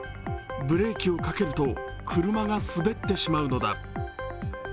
ブレーキをかけると車が滑ってしまうのだ。